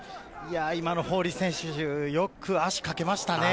今のフォーリー選手、よく足をかけましたね。